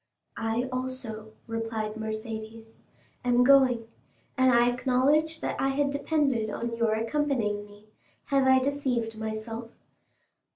"I also," replied Mercédès, "am going, and I acknowledge I had depended on your accompanying me; have I deceived myself?"